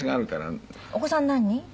お子さん何人？